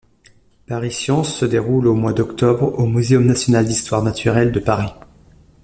Pariscience se déroule au mois d'octobre au Muséum national d'histoire naturelle de Paris.